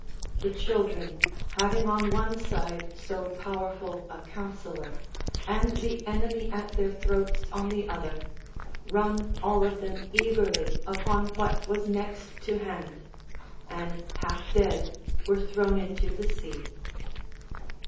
The children having on one side so powerful a counsellor, and the enemy at their throats on the other, run all of them eagerly upon what was next to hand; and, half dead, were thrown into the sea.